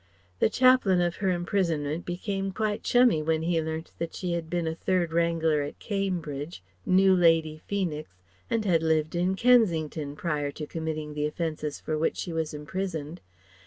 The chaplain of her imprisonment became quite chummy when he learnt that she had been a Third Wrangler at Cambridge, knew Lady Feenix, and had lived in Kensington prior to committing the offences for which she was imprisoned.